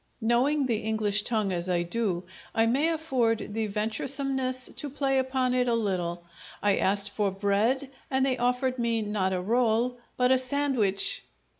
Knowing the English tongue as I do, I may afford the venturesomeness to play upon it a little: I asked for bread, and they offered me not a role, but a sandwich!